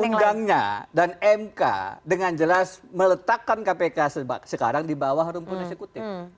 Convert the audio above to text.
undangnya dan mk dengan jelas meletakkan kpk sekarang di bawah rumput eksekutif